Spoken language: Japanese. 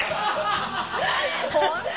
ホント？